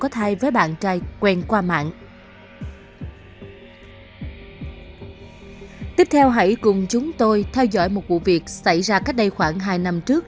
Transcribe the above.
tiếp theo hãy cùng chúng tôi theo dõi một vụ việc xảy ra cách đây khoảng hai năm trước